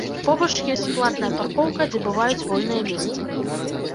Побач ёсць платная паркоўка, дзе бываюць вольныя месцы.